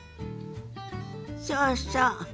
そうそう。